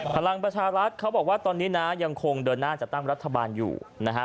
พลังประชารัฐเขาบอกว่าตอนนี้นะยังคงเดินหน้าจัดตั้งรัฐบาลอยู่นะฮะ